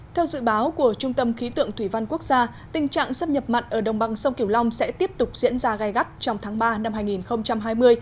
theo dự báo của trung tâm khí tượng thủy văn quốc gia tình trạng xâm nhập mặn ở đồng bằng sông kiểu long sẽ tiếp tục diễn ra gai gắt trong tháng ba năm hai nghìn hai mươi